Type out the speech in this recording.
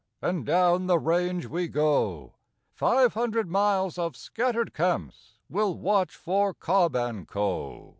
and down the range we go; Five hundred miles of scattered camps will watch for Cobb and Co.